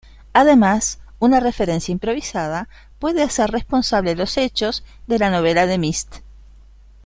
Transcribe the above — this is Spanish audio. Además, una referencia improvisada puede hacer responsable los hechos de la novela "The Mist".